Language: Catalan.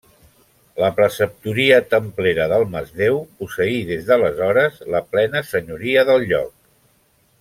La preceptoria templera del Masdeu posseí des d'aleshores la plena senyoria del lloc.